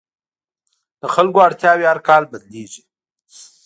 د خلکو اړتیاوې هر کال بدلېږي.